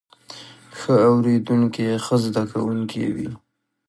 ښه اوریدونکی ښه زده کوونکی وي